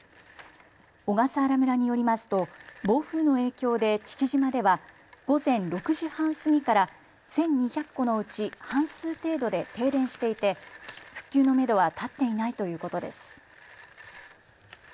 小笠原村によりますと暴風の影響で父島では午前６時半過ぎから１２００戸のうち半数程度で停電していて復旧のめどは立っていないということです。